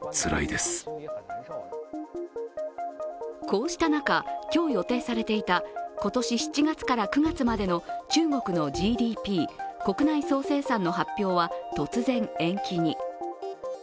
こうした中、今日予定されていた今年７月から９月までの中国のＧＤＰ＝国内総生産の発表は突然延期に。